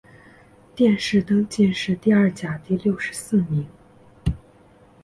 殿试登进士第二甲第六十四名。